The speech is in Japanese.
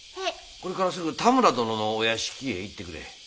これからすぐ多村殿のお屋敷へ行ってくれ。